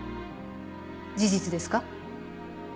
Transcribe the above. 事実ですか？